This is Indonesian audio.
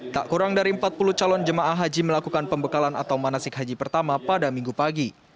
tak kurang dari empat puluh calon jemaah haji melakukan pembekalan atau manasik haji pertama pada minggu pagi